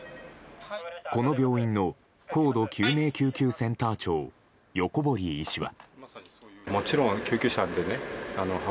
この病院の高度救命救急センター長横堀医師は。